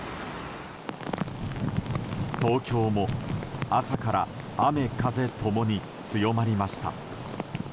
東京も朝から雨風共に強まりました。